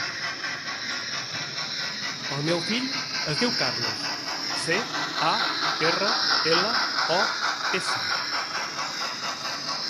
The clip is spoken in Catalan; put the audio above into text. El meu fill es diu Carlos: ce, a, erra, ela, o, essa.